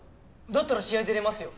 だったら試合出れますよ。